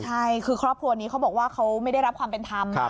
ใช่คือครอบครัวนี้เขาบอกว่าเขาไม่ได้รับความเป็นธรรม